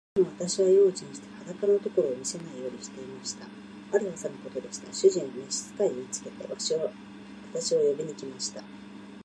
いつも私は用心して、裸のところを見せないようにしていました。ある朝のことでした。主人は召使に言いつけて、私を呼びに来ました。